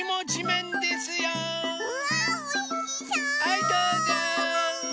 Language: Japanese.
はいどうぞ。